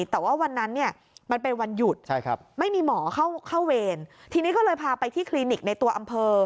แต่ว่าวันนั้นเนี่ยมันเป็นวันหยุดไม่มีหมอเข้าเวรทีนี้ก็เลยพาไปที่คลินิกในตัวอำเภอ